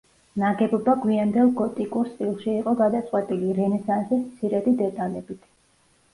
ნაგებობა გვიანდელ გოტიკურ სტილში იყო გადაწყვეტილი, რენესანსის მცირედი დეტალებით.